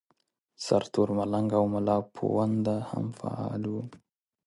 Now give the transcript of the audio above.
سرتور ملنګ او ملاپوونده هم فعال وو.